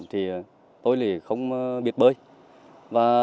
thì tôi lại không có thể tự hào với các khán giả